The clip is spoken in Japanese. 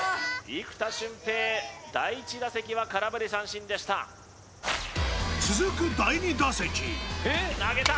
生田俊平第１打席は空振り三振でした続く第２打席投げた！